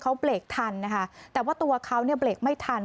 เขาเบรกทันนะคะแต่ว่าตัวเขาเนี่ยเบรกไม่ทัน